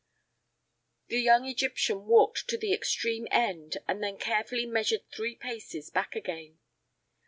The young Egyptian walked to the extreme end and then carefully measured three paces back again.